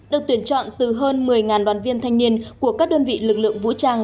được tuyển chọn từ hơn một mươi đoàn viên thanh niên của các đơn vị lực lượng vũ trang